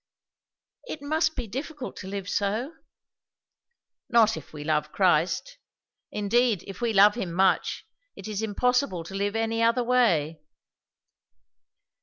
"It must be difficult to live so." "Not if we love Christ. Indeed if we love him much, it is impossible to live any other way."